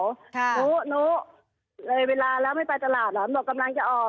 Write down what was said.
หนูหนูเลยเวลาแล้วไม่ไปตลาดเหรอบอกกำลังจะออก